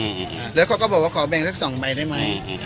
ครับแล้วเขาก็บอกว่าขอแบงก์เบิกสองใบได้ไม๊